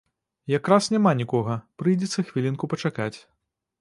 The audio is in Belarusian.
Якраз няма нікога, прыйдзецца хвілінку пачакаць.